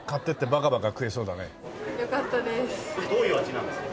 どういう味なんですか？